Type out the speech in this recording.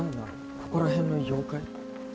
ここら辺の妖怪？